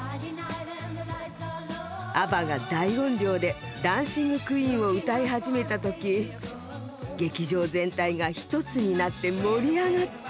ＡＢＢＡが大音量で「ダンシング・クイーン」を歌い始めた時劇場全体がひとつになって盛り上がった。